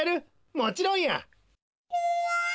もちろんや！